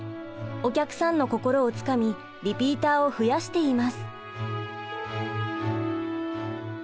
お客さんの心をつかみリピーターを増やしています。